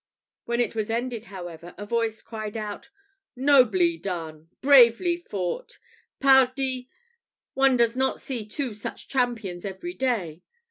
When it was ended, however, a voice cried out, "Nobly done! bravely fought! Pardie, one does not see two such champions every day!"